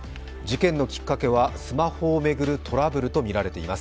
時間のきっかけはスマホを巡るトラブルとみられています。